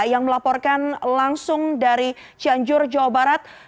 yang melaporkan langsung dari cianjur jawa barat